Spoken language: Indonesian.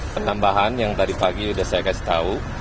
penambahan yang tadi pagi sudah saya kasih tahu